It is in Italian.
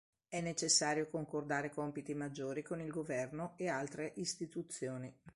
È necessario concordare compiti maggiori con il governo e altre istituzioni.